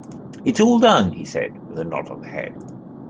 "It is all done," he said, with a nod of the head.